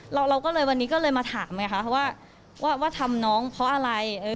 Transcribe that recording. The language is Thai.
เราก็เลยวันนี้ก็เลยมาถามไงคะว่าทำน้องเพราะอะไร